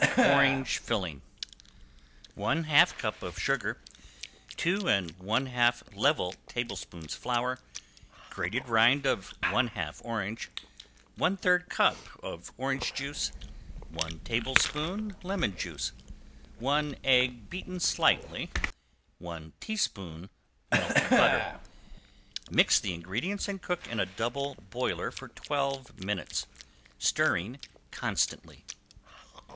~ORANGE FILLING~ One half cup of sugar, two and one half level tablespoons flour, grated rind of one half orange, one third cup of orange juice, one tablespoon lemon juice, one egg beaten slightly, one teaspoon melted butter. Mix the ingredients and cook in double boiler for twelve minutes, stirring constantly.